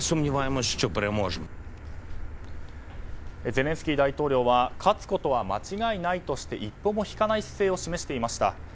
ゼレンスキー大統領は勝つことは間違いないとして一歩も引かない姿勢を示していました。